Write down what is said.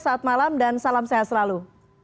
selamat malam dan salam sehat selalu